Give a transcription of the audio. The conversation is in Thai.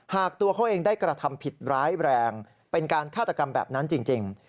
ตัวเขาเองได้กระทำผิดร้ายแรงเป็นการฆาตกรรมแบบนั้นจริง